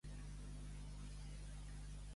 Anar a la Seu és anar al cel.